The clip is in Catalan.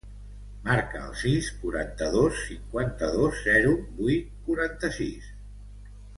Marca el sis, quaranta-dos, cinquanta-dos, zero, vuit, quaranta-sis.